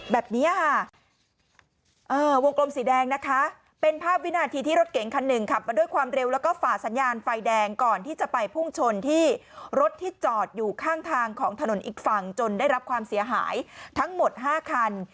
แบบนี้ค่ะวงกลมสีแดงนะคะเป็นภาพวินาทีที่รถเก๋งคันหนึ่งขับมาด้วยความเร็วแล้วก็ฝ่าสัญญาณไฟแดงก่อนที่จะไปพุ่งชนที่รถที่จอดอยู่ข้างทางของถนนอีกฝั่งจนได้รับความเสียหายทั้งหมด๕คัน